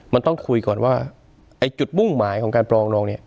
มันต้องคุยก่อนว่าไอ้จุดมุ่งหมายของการปรองนองเนี่ย